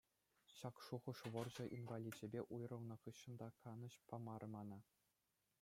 Ҫак шухӑш вӑрҫӑ инваличӗпе уйрӑлнӑ хыҫҫӑн та канӑҫ памарӗ мана.